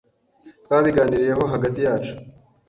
Twabiganiriyeho hagati yacu.